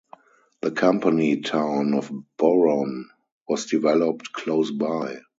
The company town of Boron was developed close by.